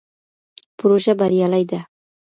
پروژه بریالۍ ده.